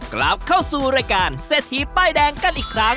กลับเข้าสู่รายการเศรษฐีป้ายแดงกันอีกครั้ง